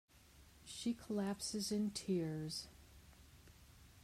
She collapses in tears.